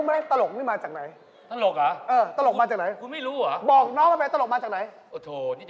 มันไหวที่จะขายวีดีโอไม่เอาไม่ได้ตลกมันเหนื่อย